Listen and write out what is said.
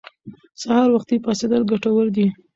سهار وختي پاڅېدل ګټور دي.